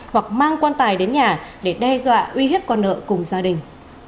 hoặc mang quan tài đến nhà để đe dọa uy hiếp con nợ cùng gia đình